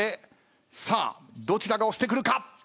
さあどちらが押してくるか？